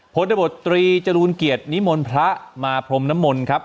พลตบตรีจรูลเกียรตินิมนต์พระมาพรมน้ำมนต์ครับ